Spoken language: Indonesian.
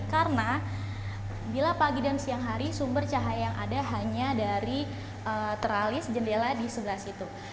karena bila pagi dan siang hari sumber cahaya yang ada hanya dari teralis jendela di sebelah situ